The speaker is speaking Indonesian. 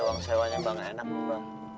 uang sewa nya mbah gak enak mbah